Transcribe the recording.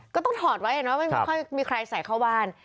ก็ต้องถอดไว้ไม่ค่อยมีใครใส่เข้าบ้าน